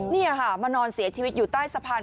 นี่ค่ะมานอนเสียชีวิตอยู่ใต้สะพาน